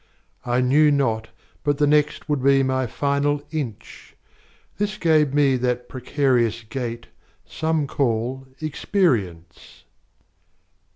I knew not but the nextWould be my final inch,—This gave me that precarious gaitSome call experience.